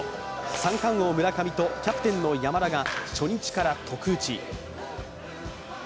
三冠王・村上とキャプテンの山田が初日から特打。